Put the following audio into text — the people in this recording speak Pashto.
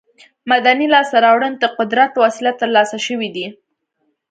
مدني لاسته راوړنې د قدرت په وسیله تر لاسه شوې دي.